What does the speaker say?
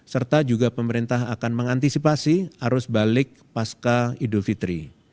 serta juga pemerintah akan mengantisipasi arus balik pasca idul fitri